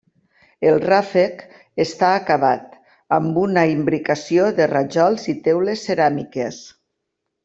El ràfec està acabat amb una imbricació de rajols i teules ceràmiques.